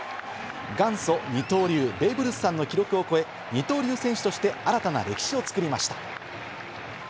元祖二刀流、ベーブ・ルースさんの記録を超え、二刀流選手として新たな歴史を作りました。